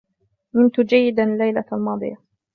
نمتُ جيدا الليلة الماضية.